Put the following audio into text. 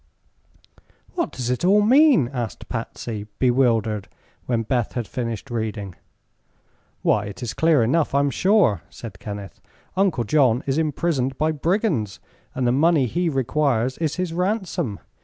"What does it all mean?" asked Patsy, bewildered, when Beth had finished reading. "Why, it is clear enough, I'm sure," said Kenneth. "Uncle John is imprisoned by brigands, and the money he requires is his ransom.